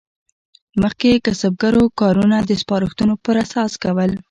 مخکې کسبګرو کارونه د سپارښتونو پر اساس کول.